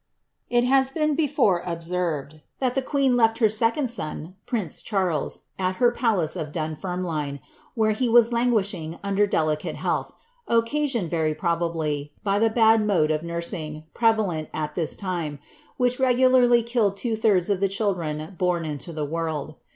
It has been before observed, that ^he queen left hfir secoi Cliarlcs, ai her palace of Dunfermline, where he was languishin , (lelieule health, occa.sioiied, very probablv, by the had mode of nursii;;. prevalent at iliis time, wiiich regularly killed iwo thirJs of the chilJrti born inio the world.